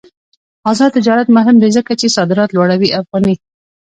آزاد تجارت مهم دی ځکه چې صادرات لوړوي افغاني.